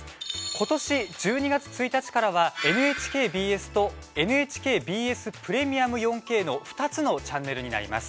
今年１２月１日からはＮＨＫＢＳとＮＨＫＢＳプレミアム４Ｋの２つのチャンネルになります。